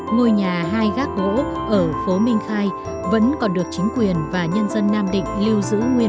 ngôi nhà hai gác gỗ ở phố minh khai vẫn còn được chính quyền và nhân dân nam định lưu giữ nguyên